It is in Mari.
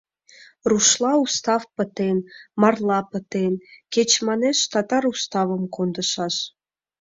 — Рушла устав пытен, марла — пытен, кеч, манеш, татар уставым кондышаш.